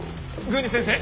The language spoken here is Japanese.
郡司先生